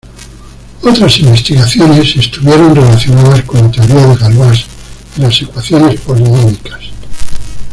Otras investigaciones estuvieron relacionadas con la teoría de Galois en las ecuaciones polinómicas.